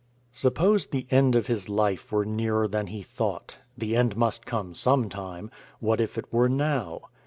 Suppose the end of his life were nearer than he thought the end must come some time what if it were now?